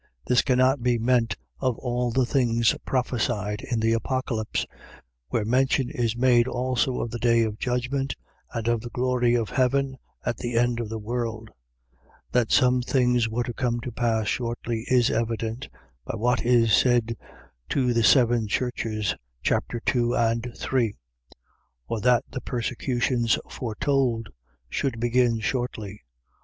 . .This can not be meant of all the things prophesied in the Apocalypse, where mention is made also of the day of judgment, and of the glory of heaven at the end of the world. That some things were to come to pass shortly, is evident, by what is said to the Seven Churches, chap. 2 and 3, Or that the persecutions foretold should begin shortly.